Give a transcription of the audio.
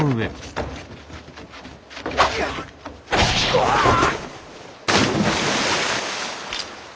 うわっ！